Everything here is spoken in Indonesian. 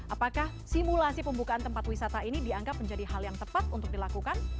apakah simulasi pembukaan tempat wisata ini dianggap menjadi hal yang tepat untuk dilakukan